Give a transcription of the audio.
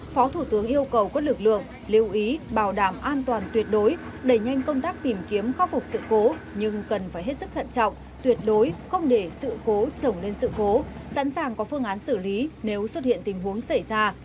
phó thủ tướng yêu cầu các lực lượng lưu ý bảo đảm an toàn tuyệt đối đẩy nhanh công tác tìm kiếm khó phục sự cố nhưng cần phải hết sức thận trọng tuyệt đối không để sự cố trồng lên sự cố sẵn sàng có phương án xử lý nếu xuất hiện tình huống xảy ra